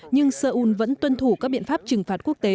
nhưng seoul vẫn tuân thủ các biện pháp trừng phạt quốc tế